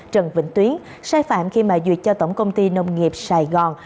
trần vĩnh tuyến sai phạm khi mà duyệt cho tổng công ty nông nghiệp sài gòn